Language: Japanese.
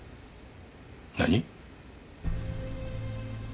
何？